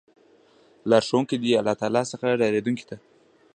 لار ښودونکی دی له الله تعالی څخه ډاريدونکو ته